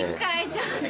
ちょっと！